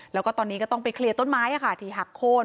แล้วก็ตอนนี้ก็ต้องไปเคลียร์ต้นไม้ที่หักโค้น